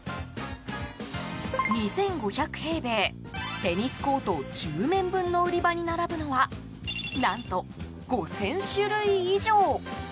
２５００平米テニスコート１０面分の売り場に並ぶのは何と５０００種類以上。